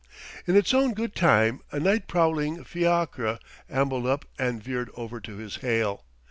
In its own good time a night prowling fiacre ambled up and veered over to his hail.